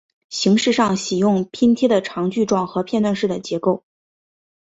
形式上喜用拼贴的长矩状和片段式的结构。